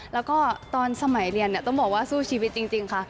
แล้วก็ตอนสมัยเรียนต้องบอกว่าสู้ชีวิตจริงค่ะ